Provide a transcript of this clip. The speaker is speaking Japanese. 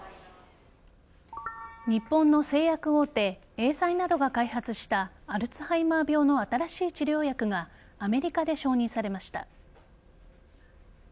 日本の製薬大手エーザイなどが開発したアルツハイマー病の新しい治療薬がアメリカで承認されました。